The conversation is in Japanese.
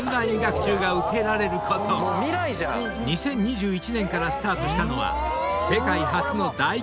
［２０２１年からスタートしたのは］